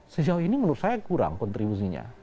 sejauh ini menurut saya kurang kontribusinya